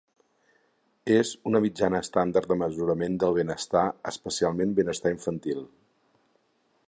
És una mitjana estàndard de mesurament del benestar, especialment benestar infantil.